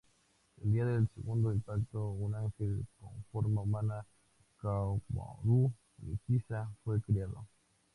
El día del Segundo Impacto, un ángel con forma humana, Kaworu Nagisa, fue creado.